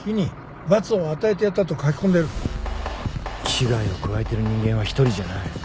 危害を加えてる人間は一人じゃない。